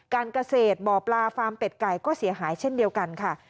การเกษตรบ่อปลาฟาร์มเป็ดไก่ก็เสียหายเช่นเดียวกันค่ะ